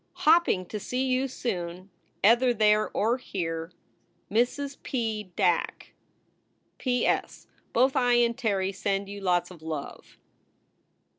Hopping to see you soon ether there or here, MRS. P. DACK. P. S. Both I and Terry send you lots of love.